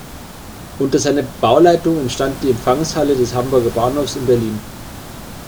Unter seiner Bauleitung entstand die Empfangshalle des Hamburger Bahnhofs in Berlin.